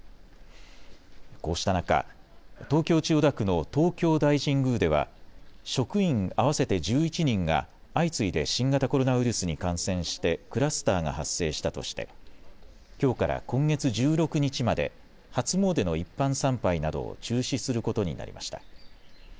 こうした中、東京千代田区の東京大神宮では職員合わせて１１人が相次いで新型コロナウイルスに感染してクラスターが発生したとしてきょうから今月１６日まで初詣の一般参拝などを中止することになりました。